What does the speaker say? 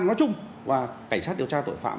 nói chung và cảnh sát điều tra tội phạm